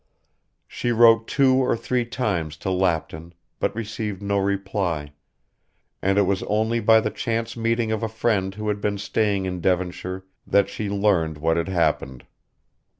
She wrote two or three times to Lapton, but received no reply, and it was only by the chance meeting of a friend who had been staying in Devonshire that she learned what had happened.